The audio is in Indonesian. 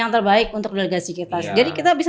yang terbaik untuk delegasi kita jadi kita bisa